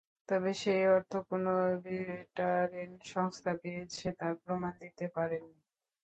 তবে সেই অর্থ কোন ভেটারেন সংস্থা পেয়েছে, তার প্রমাণ দিতে পারেননি।